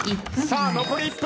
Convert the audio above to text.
残り１分。